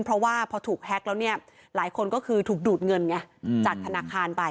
เพราะว่าพอถูกแฮ็กแล้วเนี่ยหลายคนก็คือถูกดูดเงินไงจากธนาคารไป